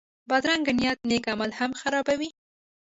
بدرنګه نیت نېک عمل هم خرابوي